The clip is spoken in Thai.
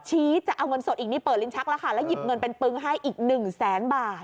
จะเอาเงินสดอีกนี่เปิดลิ้นชักแล้วค่ะแล้วหยิบเงินเป็นปึงให้อีกหนึ่งแสนบาท